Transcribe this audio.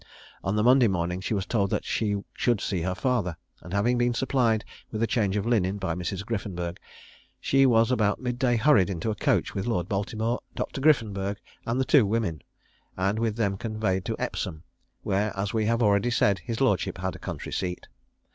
On the Monday morning she was told that she should see her father; and having been supplied with a change of linen by Mrs. Griffenburg, she was about mid day hurried into a coach with Lord Baltimore, Dr. Griffenburg, and the two women, and with them conveyed to Epsom, where, as we have already said, his lordship had a country seat.